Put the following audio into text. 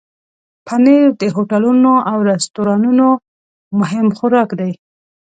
پنېر د هوټلونو او رستورانونو مهم خوراک دی.